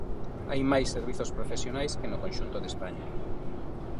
Hai máis servizos profesionais que no conxunto de España.